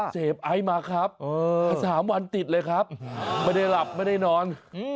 เสพไอซ์มาครับ๓วันติดเลยครับไม่ได้หลับไม่ได้นอน